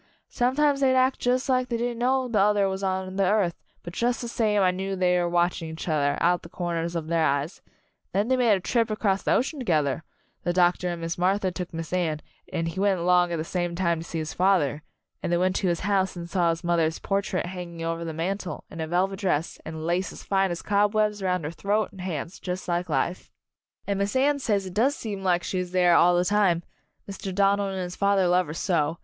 Sometimes they'd act jus' like they didn't know the other was on the earth, but jus' the same I knew they were watching each other, out the corners of their eyes. Then they made a trip across the ocean together the doctor and Miss Martha took Miss Anne, and he went 'long at the same time to see his father and they went to his house and saw his mother's portrait hanging over 22 Anne's Wedding the mantel, in a velvet dress, and lace as fine as cobwebs around her throat and hands, just like life; and Miss Anne says it does seem like she is there all the time, Mr. Donald and his father love her so.